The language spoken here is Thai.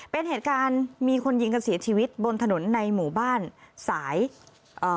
เป็นเหตุการณ์มีคนยิงกันเสียชีวิตบนถนนในหมู่บ้านสายเอ่อ